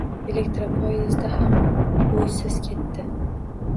Elektropoezdda ham o`ysiz ketdi